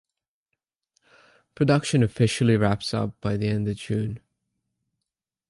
Production officially wrapped up by the end of June.